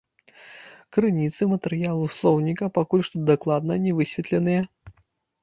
Крыніцы матэрыялу слоўніка пакуль што дакладна не высветленыя.